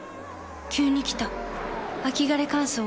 急に来た秋枯れ乾燥。